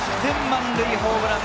満塁ホームラン。